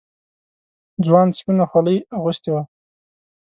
ځوان سپينه خولۍ اغوستې وه.